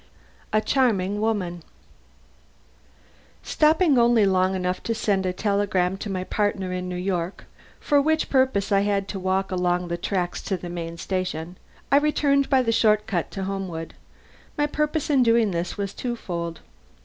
III A CHARMING WOMAN Stopping only long enough to send a telegram to my partner in New York, (for which purpose I had to walk along the tracks to the main station) I returned by the short cut to Homewood. My purpose in doing this was twofold.